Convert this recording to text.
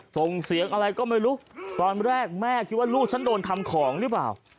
ส่งเสียงอะไรก็ไม่รู้ตอนแรกแม่คิดว่าลูกฉันโดนทำของหรือเปล่า